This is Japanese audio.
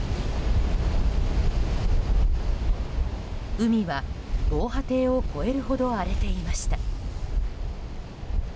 海は、防波堤を超えるほど荒れていました。